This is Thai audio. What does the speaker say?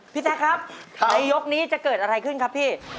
แจ๊คครับในยกนี้จะเกิดอะไรขึ้นครับพี่